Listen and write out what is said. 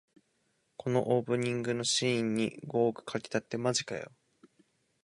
このオープニングのシーンに五億かけたってマジかよ